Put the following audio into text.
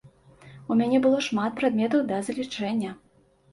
У мяне было шмат прадметаў да залічэння.